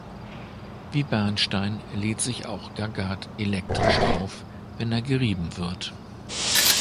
Wie Bernstein lädt sich auch Gagat elektrisch auf, wenn er gerieben wird.